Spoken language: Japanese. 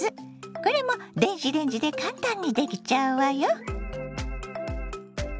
これも電子レンジで簡単にできちゃうわよ。